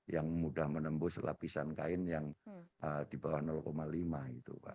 yang mudah menembus lapisan kain yang di bawah lima